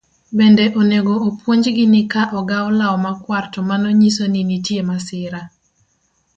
Bende onego opuonjgi ni ka ogaw law makwar to mano nyiso ni nitie masira